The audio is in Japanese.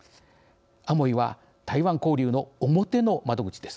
アモイは台湾交流の表の窓口です。